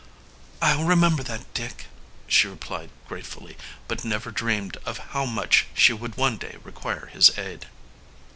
"I'll remember that, Dick," she replied gratefully, but never dreamed of how much she would one day require his aid.